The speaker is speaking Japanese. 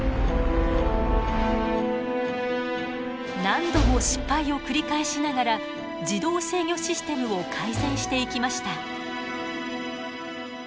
何度も失敗を繰り返しながら自動制御システムを改善していきました。